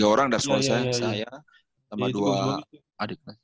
tiga orang dari sekolah saya sama dua adiknya